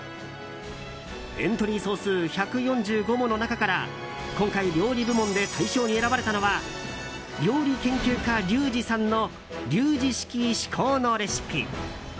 エントリー総数１４５もの中から今回、料理部門で大賞に選ばれたのは料理研究家リュウジさんの「リュウジ式至高のレシピ」。